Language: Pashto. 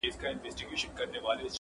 د هر چا به وي لاسونه زما ګرېوان کي-